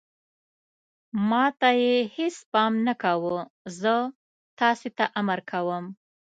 ما ته یې هېڅ پام نه کاوه، زه تاسې ته امر کوم.